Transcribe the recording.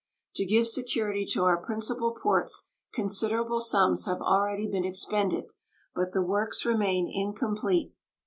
To give security to our principal ports considerable sums have already been expended, but the works remain incomplete.